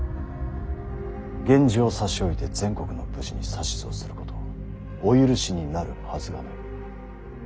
源氏を差し置いて全国の武士に指図をすることをお許しになるはずがない。